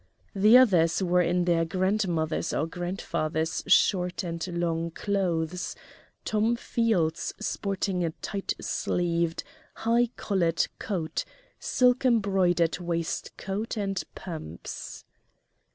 The others were in their grandmother's or grandfather's short and long clothes, Tom Fields sporting a tight sleeved, high collared coat, silk embroidered waistcoat, and pumps.